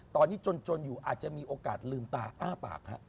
ตอนนี้จนอยู่อาจจะมีโอกาสลืมตาอ้าปากฮะ